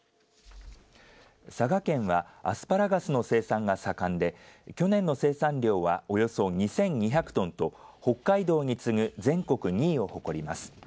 佐賀県はアスパラガスの生産が盛んで去年の生産量はおよそ２２００トンと北海道に次ぐ全国２位を誇ります。